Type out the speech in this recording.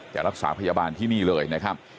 จะรักษาพยาบาลที่นี่เลยนะครับ